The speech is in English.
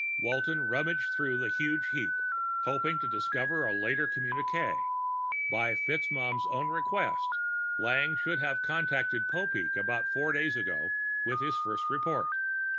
Walton rummaged through the huge heap, hoping to discover a later communiqué; by FitzMaugham's own request, Lang should have contacted Popeek about four days ago with his first report.